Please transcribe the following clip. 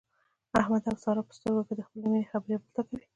احمد او ساره په سترګو کې خپلې د مینې خبرې یو بل ته کوي.